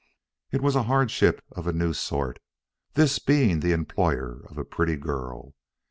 It was a hardship of a new sort, this being the employer of a pretty girl.